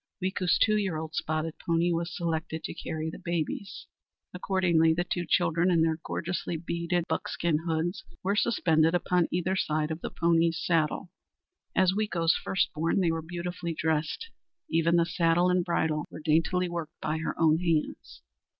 Weeko's two year old spotted pony was selected to carry the babies. Accordingly, the two children, in their gorgeously beaded buckskin hoods, were suspended upon either side of the pony's saddle. As Weeko's first born, they were beautifully dressed; even the saddle and bridle were daintily worked by her own hands.